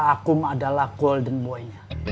akum adalah golden boy